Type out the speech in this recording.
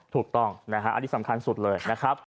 ถูกต้องนะฮะอันนี้สำคัญสุดเลยนะครับ